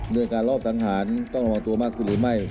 เรื่องการรอบสังหารต้องระวังตัวมากขึ้นหรือไม่